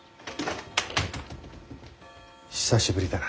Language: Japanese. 久しぶりだな。